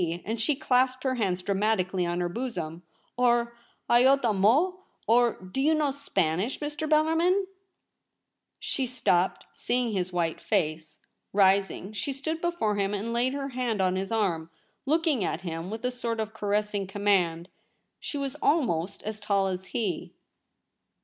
'" and she clasped her hands dramatically on her bosom. * Or '' I 'o t' amo ;" or — do you know Spanish, Mr. Bellarmin ?' She stopped, seeing his white face. Rising, she stood before him and laid her hand on his arm, looking at him with a sort of caressing command. She was almost as tall as he.